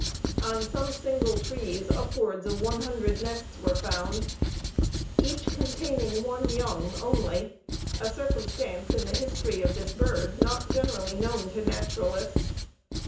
On some single trees upwards of one hundred nests were found, each containing one young only; a circumstance in the history of this bird not generally known to naturalists.